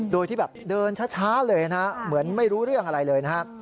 โดยที่แบบเดินช้าเลยนะเหมือนไม่รู้เรื่องอะไรเลยนะฮะ